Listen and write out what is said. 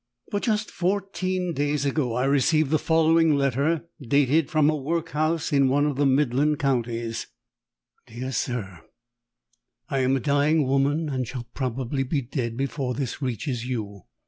But just fourteen days ago I received the following letter, dated from a workhouse in one of the Midland counties: "DEAR SIR, I am a dying woman, and shall probably be dead before this reaches you.